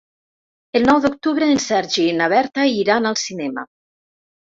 El nou d'octubre en Sergi i na Berta iran al cinema.